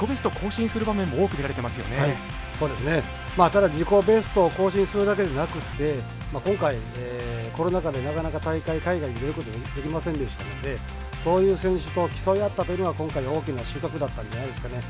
ただ自己ベストを更新するだけでなくて今回、コロナ禍でなかなか大会海外に出ることができませんでしたのでそういう選手と競い合ったというのが今回、大きな収穫だったんじゃないですかね。